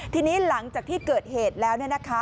ทีนี้หลังจากที่เกิดเหตุแล้ว